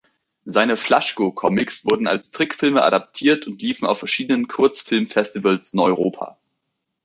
Seine "Flaschko"-Comics wurden als Trickfilme adaptiert und liefen auf verschiedenen Kurzfilm-Festivals in Europa.